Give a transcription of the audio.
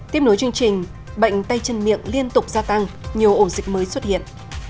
tiếp nối chương trình bệnh tay chân miệng liên tục gia tăng nhiều ổ dịch mới xuất hiện